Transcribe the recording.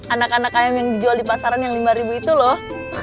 anak anak ayam yang dijual di pasaran yang lima ribu itu loh